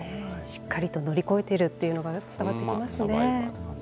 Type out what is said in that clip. しっかりと乗り越えてるっていうのがすごい伝わってきますね。